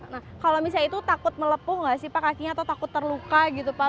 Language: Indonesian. nah kalau misalnya itu takut melepuh gak sih pak kakinya atau takut terluka gitu pak